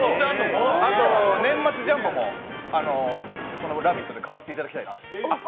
あと年末ジャンボも「ラヴィット！」で買わせていただきたいなと。